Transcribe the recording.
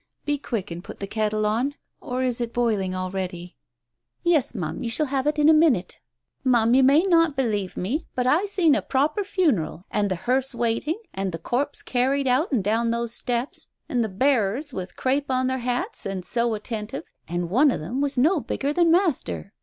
Be quick and get the kettle on, or is it boiling already ?" "Yes, Ma'am, you shall have it in a minute. Ma'am, you may not believe me, but I seen a proper funeral, and the hearse waiting, and the corpse carried out and down those steps ... and the bearers with crape on their hats and so attentive, and one of them was no bigger than Master.